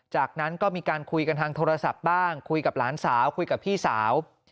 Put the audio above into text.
จากนั้นก็มีการคุยกันทางโทรศัพท์บ้างคุยกับหลานสาวคุยกับพี่สาว